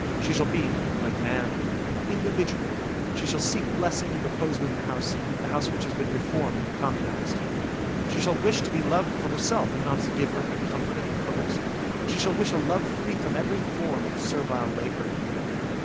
She shall be, like man, an individual, she shall seek blessing and repose within the house, the house which has been reformed and communised. She shall wish to be loved for herself and not as a giver of comfort and repose. She shall wish a love free from every form of servile labour.